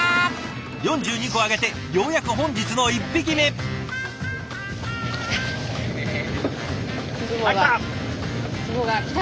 ４２個揚げてようやく本日の１匹目。あっ来た！